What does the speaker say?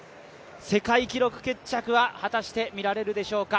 世界記録決着は果たして見られるでしょうか。